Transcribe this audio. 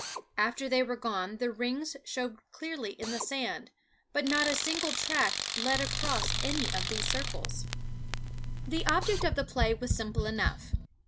After they were gone the rings showed clearly in the sand, but not a single track led across any of the circles. The object of the play was simple enough.